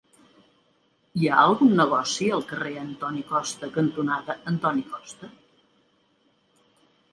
Hi ha algun negoci al carrer Antoni Costa cantonada Antoni Costa?